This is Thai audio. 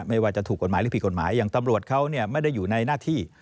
ไม่ว่าจะถูกกฎหมายหรือผิดกฎหมายอย่างตำรวจเขาไม่ได้อยู่ในหน้าที่